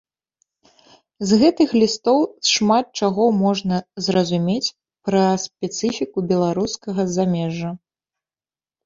З гэтых лістоў шмат чаго можна зразумець пра спецыфіку беларускага замежжа.